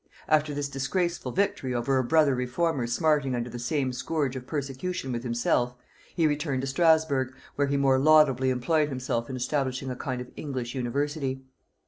After this disgraceful victory over a brother reformer smarting under the same scourge of persecution with himself, he returned to Strasburgh, where he more laudably employed himself in establishing a kind of English university.